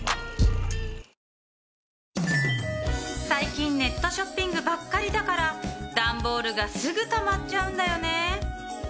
最近ネットショッピングばっかりだから段ボールがすぐたまっちゃうんだよね